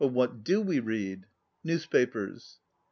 What do we read? Newspapers.